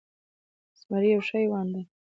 زمری یو ښه حیوان ده